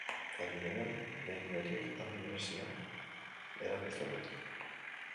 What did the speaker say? Aldi berean, begi horiek argi berezia erakusten dute.